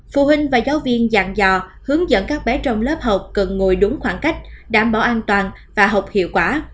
phụ huynh và giáo viên dạng dò hướng dẫn các bé trong lớp học cần ngồi đúng khoảng cách đảm bảo an toàn và học hiệu quả